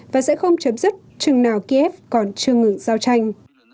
và sẽ không chấm dứt chừng nào kiev còn chưa ngừng giao tranh